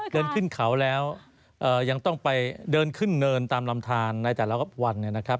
เดินขึ้นเขาแล้วยังต้องไปเดินขึ้นเนินตามลำทานในแต่ละวันเนี่ยนะครับ